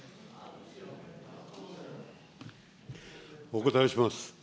お答えします。